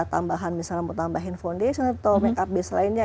kalau ada tambahan misalnya mau tambahin foundation atau makeup base lainnya